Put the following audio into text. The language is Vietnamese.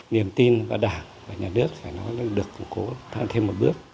niềm tin vào đảng và nhà nước phải nói là được củng cố thay thêm một bước